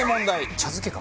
茶漬けか。